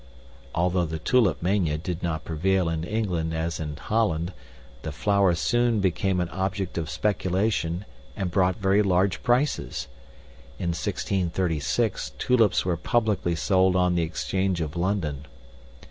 *{Although the Tulip Mania did not prevail in England as in Holland, the flower soon became an object of speculation and brought very large prices. In 1636, tulips were publicly sold on the Exchange of London.